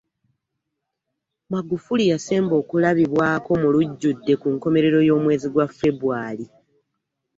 Magufuli yasemba okulabibwako mu lujjudde ku nkomerero y'omwezi gwa Febwali